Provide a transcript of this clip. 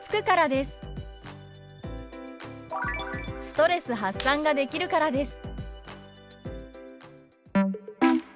「ストレス発散ができるからです」。